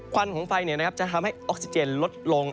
ควันของไฟเนี่ยนะครับจะทำให้ออกซิเจนลดลง